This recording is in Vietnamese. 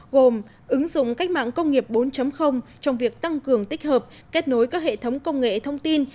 gồm ứng dụng cách mạng công nghiệp bốn trong việc tăng cường tích hợp kết nối các hệ thống công nghệ thông tin